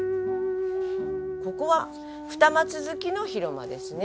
ここは二間続きの広間ですね。